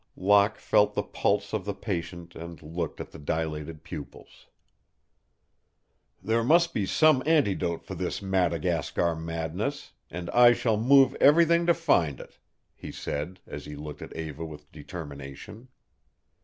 Locke felt the pulse of the patient and looked at the dilated pupils. "There must be some antidote for this Madagascar madness, and I shall move everything to find it," he said, as he looked at Eva with determination.